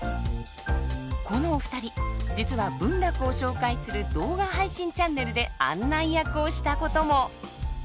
このお二人実は文楽を紹介する動画配信チャンネルで案内役をしたことも！